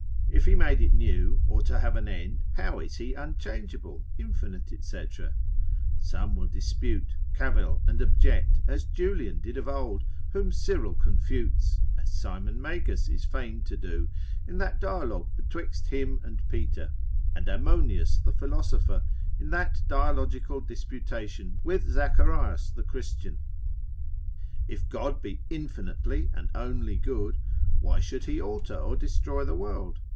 If he made it new, or to have an end, how is he unchangeable, infinite, &c. Some will dispute, cavil, and object, as Julian did of old, whom Cyril confutes, as Simon Magus is feigned to do, in that dialogue betwixt him and Peter: and Ammonius the philosopher, in that dialogical disputation with Zacharias the Christian. If God be infinitely and only good, why should he alter or destroy the world?